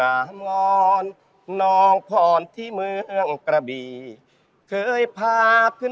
อ๋ออันนั้นขายไปป่ะ